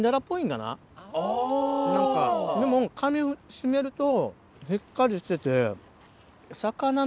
でもかみしめるとしっかりしてて。